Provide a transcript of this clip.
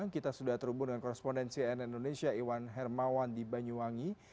kita sudah terhubung dengan korespondensi nn indonesia iwan hermawan di banyuwangi